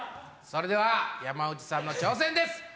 それでは山内さんの挑戦です！